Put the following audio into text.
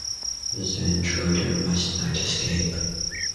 The intruder must not escape.